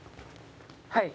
はい。